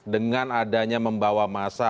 dengan adanya membawa masa